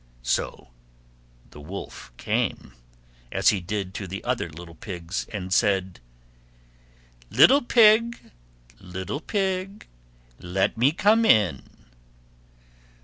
So the Wolf came, as he did to the other little Pigs, and said, "Little Pig, little Pig, let me come in."